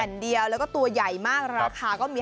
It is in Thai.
สองคนเนี่ยเล่าว่าตีงูเห่ายาวกว่าสองเมตรครับ